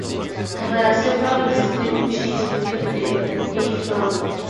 There are several distinct chains within the Eifel.